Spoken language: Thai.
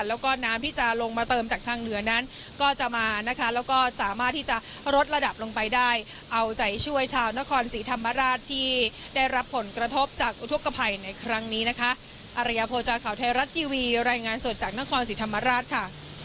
แล้วก็น้ำที่จะลงมาเติมจากทางเหนือนั้นก็จะมานะคะ